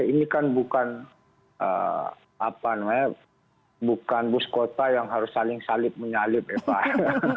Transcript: ini kan bukan bus kota yang harus saling salib menyalip ya pak